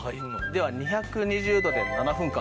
では２２０度で７分間。